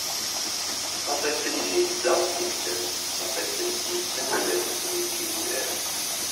Xas akken negza timsal, xas akken nessen ula d nekkni i wurar.